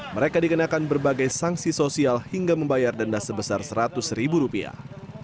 mereka dikenakan berbagai sanksi sosial hingga membayar denda sebesar seratus ribu rupiah